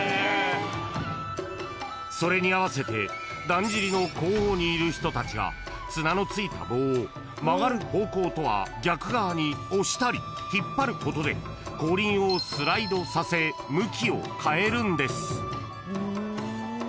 ［それに合わせてだんじりの後方にいる人たちが綱のついた棒を曲がる方向とは逆側に押したり引っ張ることで後輪をスライドさせ向きを変えるんです］